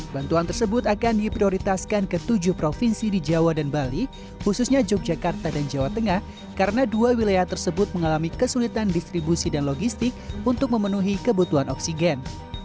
bantuan tersebut akan diprioritaskan ke tujuh provinsi di jawa dan bali khususnya yogyakarta dan jawa tengah karena dua wilayah tersebut mengalami kesulitan distribusi dan logistik untuk memenuhi kebutuhan oksigen